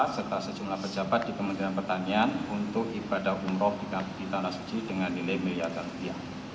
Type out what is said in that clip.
serta sejumlah pejabat di kementerian pertanian untuk ibadah umroh di tanah suci dengan nilai miliaran rupiah